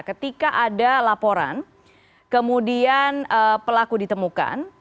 ketika ada laporan kemudian pelaku ditemukan